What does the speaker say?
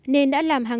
nên đã làm hàng